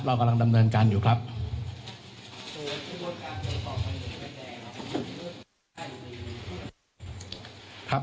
เรากำลังดำเนินการอยู่ครับ